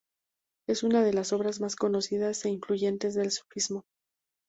Es una de las obras más conocidas e influyentes del sufismo.